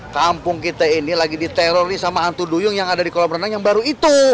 kampung kita ini lagi diterori sama hantu duyung yang ada di kolam renang yang baru itu